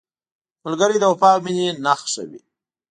ملګری د وفا او مینې نښه وي